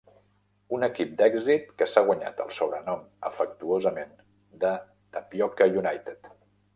Un equip d'èxit que s'ha guanyat el sobrenom afectuosament de Tapioca United.